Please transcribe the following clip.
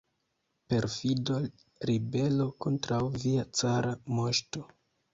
Perfido, ribelo kontraŭ via cara moŝto!